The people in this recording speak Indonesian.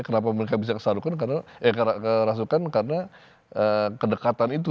kenapa mereka bisa kerasukan karena kedekatan itu